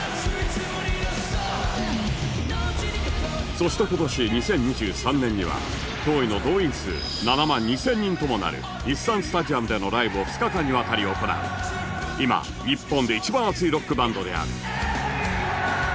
そして今年２０２３年には驚異の動員数７万２０００人ともなる日産スタジアムでのライブを２日間にわたり行う今日本で一番熱いロックバンドである